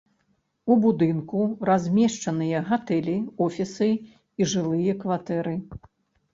У будынку размешчаныя гатэлі, офісы і жылыя кватэры.